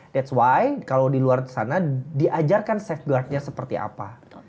that s why kalo di luar sana diajarkan safeguardnya seperti apa